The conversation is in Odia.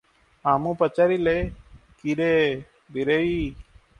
ମାମୁ ପଚାରିଲେ, "କି ରେ ବୀରେଇ!